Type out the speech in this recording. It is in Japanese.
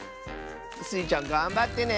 スイちゃんがんばってね！